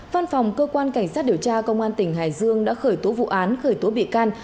văn phòng cơ quan cảnh sát điều tra công an tỉnh hải dương đã khởi tố vụ án khởi tố bị can